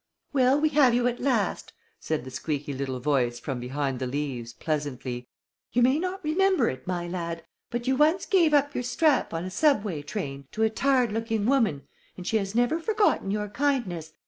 "Well, we have you at last," said the squeaky little voice from behind the leaves, pleasantly. "You may not remember it, my lad, but you once gave up your strap on a subway train to a tired looking woman and she has never forgotten your kindness.